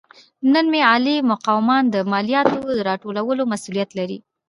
نن هم عالي مقامان د مالیاتو راټولولو مسوولیت لري.